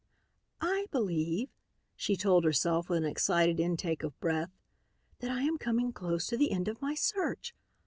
"I believe," she told herself with an excited intake of breath, "that I am coming close to the end of my search.